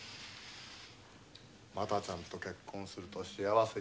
又ちゃんと結婚すると幸せに。